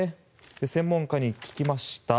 専門家に聞きました。